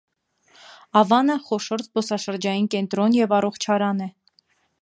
Ավանը խոշոր զբոսաշրջային կենտրոն և առողջարան է։